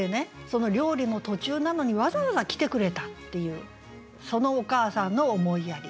その料理の途中なのにわざわざ来てくれたっていうそのお母さんの思いやり。